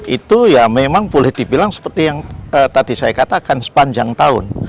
itu ya memang boleh dibilang seperti yang tadi saya katakan sepanjang tahun